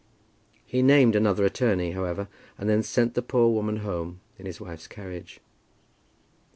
He named another attorney, however, and then sent the poor woman home in his wife's carriage.